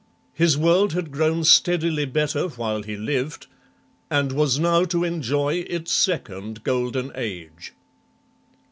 His world had grown steadily better while he lived, and was now to enjoy its second golden age.